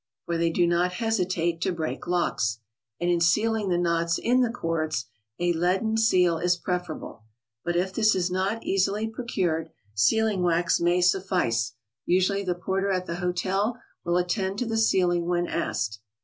(for they do not hesitate to break locks), and in sealing the knots in the cords; a leaden seal is preferable, but if this is not easily procured, sealing wax may suffice; usually the porter at the hotel will attend to the sealing when asked.